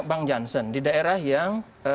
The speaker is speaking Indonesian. bang jansen di daerah yang